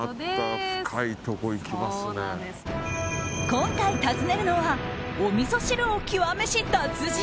今回訪ねるのはおみそ汁を極めし達人。